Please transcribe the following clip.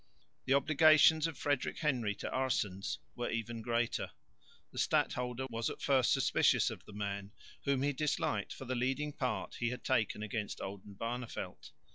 The obligations of Frederick Henry to Aerssens were even greater. The stadholder was at first suspicious of the man, whom he disliked for the leading part he had taken against Oldenbarneveldt.